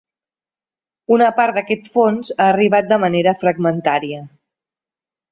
Una part d’aquest fons ha arribat de manera fragmentària.